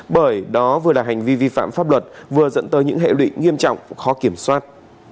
bởi đó vừa là hành vi vi phạm pháp luật vừa dẫn tới những hệ lụy nghiêm trọng khó kiểm soát